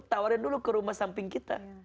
tawarin dulu ke rumah samping kita